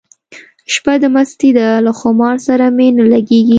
شپه د مستۍ ده له خمار سره مي نه لګیږي